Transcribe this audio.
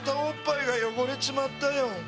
おっぱいが汚れちまったよ